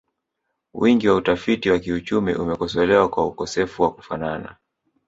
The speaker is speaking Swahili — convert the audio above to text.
Wingi wa utafiti wa kiuchumi umekosolewa kwa ukosefu wa kufanana